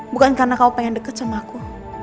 bukan karena kau pengen deket sama aku